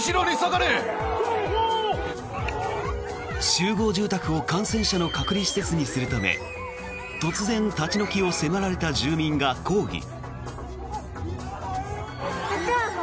集合住宅を感染者の隔離施設にするため突然立ち退きを迫られた住民が抗議。